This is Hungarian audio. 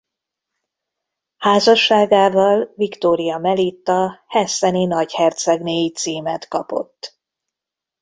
Házasságával Viktória Melitta hesseni nagyhercegnéi címet kapott.